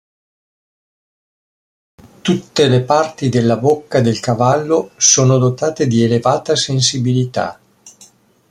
Tutte le parti della bocca del cavallo sono dotate di elevata sensibilità.